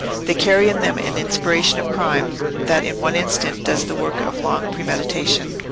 They carry in them an inspiration of crime, that in one instant does the work of long premeditation.